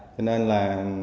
cho nên là